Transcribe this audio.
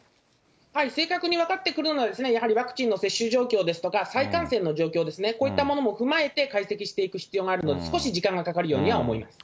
正確に分かってくるのは、やはりワクチンの接種状況ですとか、再感染の状況ですね、こういったものも踏まえて、解析していく必要があると、少し時間がかかるようには思います。